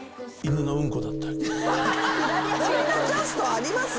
そんなジャストあります？